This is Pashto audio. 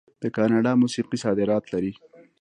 د کاناډا موسیقي صادرات لري.